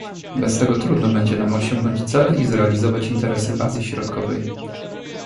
Bez tego trudno będzie nam osiągnąć cele i zrealizować interesy w Azji Środkowej